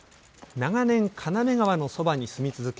長年、金目川のそばに住み続け